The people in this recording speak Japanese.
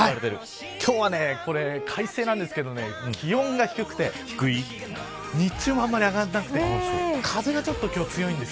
快晴なんですけど気温が低くて日中も、あんまり上がらなくて風がちょっと強いんです。